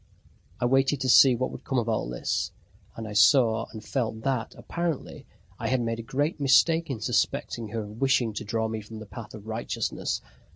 I waited to see what would come of all this, and I saw and felt that, apparently, I had made a great mistake in suspecting her of wishing to draw me from the path of righteousness.